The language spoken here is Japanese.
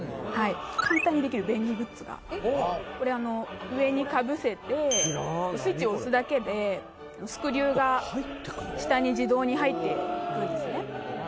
簡単にできる便利グッズがこれは上にかぶせてスイッチを押すだけでスクリューが下に自動に入っていくんですね